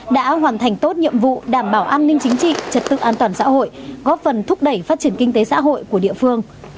đã hoàn thành tốt nhiệm vụ đảm bảo an ninh chính trị trật tự an toàn xã hội góp phần thúc đẩy phát triển kinh tế xã hội của địa phương